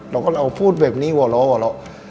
แล้วก็เราพูดแบบนี้วะล้อวะล้อ